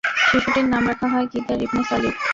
শিশুটির নাম রাখা হয় কিদার ইবন সালিফ।